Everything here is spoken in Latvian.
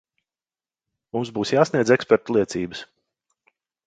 Mums būs jāsniedz ekspertu liecības.